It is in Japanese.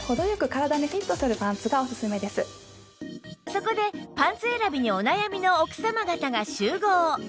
そこでパンツ選びにお悩みの奥様方が集合